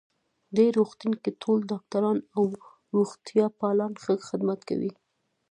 دې روغتون کې ټول ډاکټران او روغتیا پالان ښه خدمت کوی